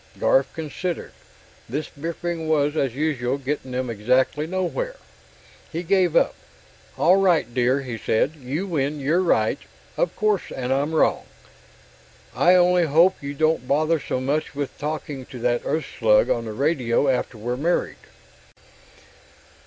Garf considered. This bickering was, as usual, getting them exactly nowhere. He gave up. "All right, dear," he said. "You win; you're right, of course, and I'm wrong. I only hope you won't bother so much with talking to that Earth slug on the radio after we're married."